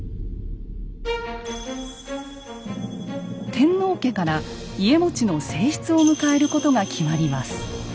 天皇家から家茂の正室を迎えることが決まります。